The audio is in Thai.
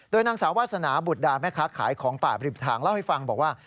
นางสาววาสนาบุตรดาแม่ค้าขายของป่าบริบทางเล่าให้ฟังบอกว่า